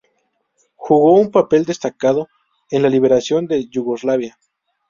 Jugó un papel destacado en la liberación de Yugoslavia.